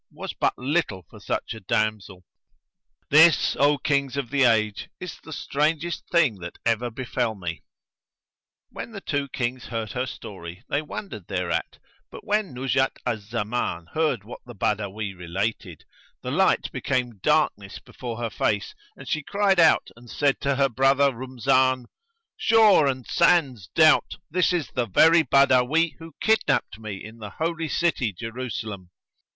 was but little for such a damsel. This, O Kings of the Age, is the strangest thing that ever befel me." When the two Kings heard her story they wondered thereat, but when Nuzhat al Zaman heard what the Badawi related, the light became darkness before her face and she cried out and said to her brother Rumzan, "Sure and sans doubt this is the very Badawi who kidnapped me in the Holy City Jerusalem!"